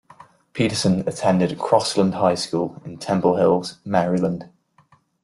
Peterson attended Crossland High School in Temple Hills, Maryland.